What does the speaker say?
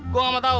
gua gak mau tau